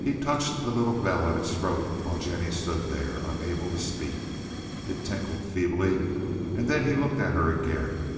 He touched the little bell at its throat, while Jennie stood there, unable to speak. It tinkled feebly, and then he looked at her again.